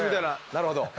なるほど。